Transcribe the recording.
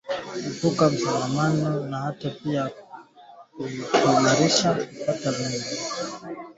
Epuka kusukuma mifugo yenye mimba na inayonyonyesha katika misafara mirefu